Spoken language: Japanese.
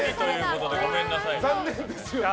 残念ですよね。